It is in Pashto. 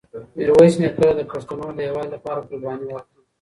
میرویس نیکه د پښتنو د یووالي لپاره قرباني ورکړه.